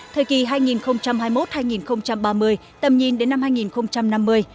thời kỳ hai nghìn hai mươi một hai nghìn ba mươi tầm nhìn đến năm hai nghìn năm mươi